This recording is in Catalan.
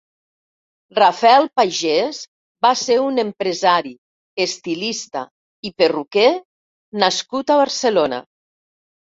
Raffel Pagès va ser un empresari, estilista i perruquer nascut a Barcelona.